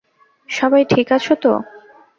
সবাই ঠিক আছ তো?